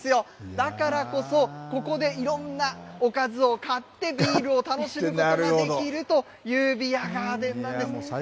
だからこそ、ここでいろんなおかずを買って、ビールを楽しむことができるというビアガーデンなんです。